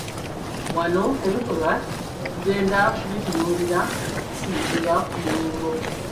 Wano ebikolwa tugenda kubitunuulira nga tusinziira ku nnyingo.